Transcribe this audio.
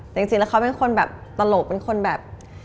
แต่จริงแล้วเขาเป็นคนแบบตลกเป็นคนแบบ